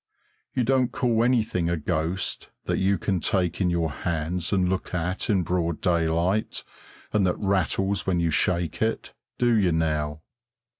You don't call anything a ghost that you can take in your hands and look at in broad daylight, and that rattles when you shake it. Do you, now?